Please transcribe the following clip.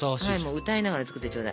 歌いながら作ってちょうだい。